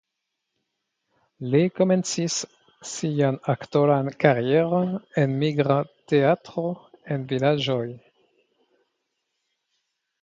Li komencis sian aktoran karieron en migra teatro en vilaĝoj.